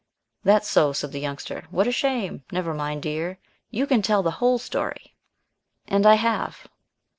"That's so," said the Youngster. "What a shame. Never mind, dear, you can tell the whole story!" And I have.